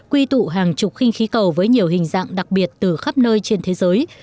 quy tụ hàng chục khinh khí cầu với nhiều hình dạng đặc biệt từ khắp nơi trên thế giới